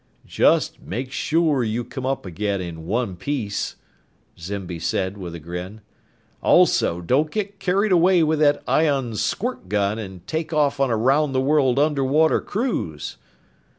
"Just make sure you come up again in one piece," Zimby said with a grin. "Also, don't get carried away with that ion squirt gun and take off on a round the world underwater cruise."